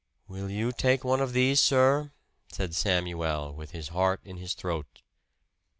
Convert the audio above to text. "Will you take one of these, sir?" said Samuel, with his heart in his throat.